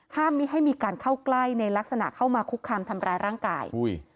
ไม่ให้มีการเข้าใกล้ในลักษณะเข้ามาคุกคามทำร้ายร่างกาย